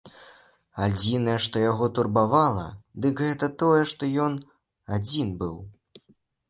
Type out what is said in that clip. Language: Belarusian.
Адзінае, што яго турбавала, дык гэта тое, што ён адзін быў.